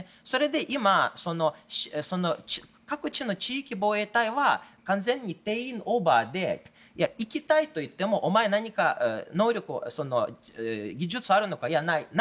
それで今、各地の地域防衛隊は完全に定員オーバーで行きたいといってもお前、何か技術はあるのかいや、ない。